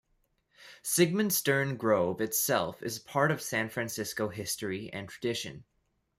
Sigmund Stern Grove itself is a part of San Francisco history and tradition.